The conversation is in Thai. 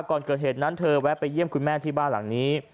ก่อนเกิดเหตุนั้นเธอแวะไปเยี่ยมคุณแม่ที่บ้านหลังนี้